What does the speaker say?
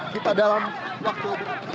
kita dalam waktu